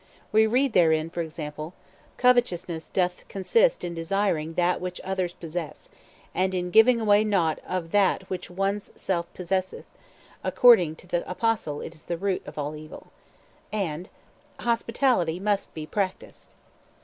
We read therein, for example, "Covetousness doth consist in desiring that which others possess, and in giving away nought of that which one's self possesseth; according to the Apostle it is the root of all evil." And, "Hospitality must be practised."